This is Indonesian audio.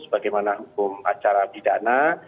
bagaimana hukum acara pidana